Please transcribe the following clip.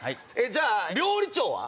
じゃあ料理長は？